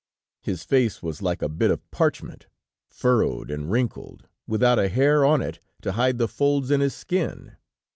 His face was like a bit of parchment, furrowed and wrinkled, without a hair on it to hide the folds in his skin.